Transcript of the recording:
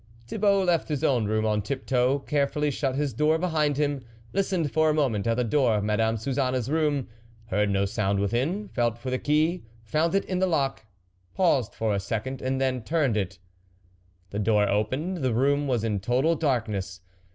Thibault left his own room on tiptoe, carefully shut his door behind him, lis tened for a moment at the door of Madame Suzanne's room, heard no sound within, felt for the key, found it in the lock, paused a second, and then turned it. The door opened ; the room was in total darkness.